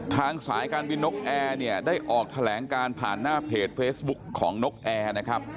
สายการบินนกแอร์เนี่ยได้ออกแถลงการผ่านหน้าเพจเฟซบุ๊คของนกแอร์นะครับ